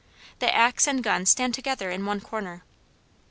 The axe and gun stand together in one corner.